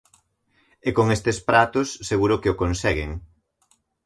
E con estes pratos seguro que o conseguen.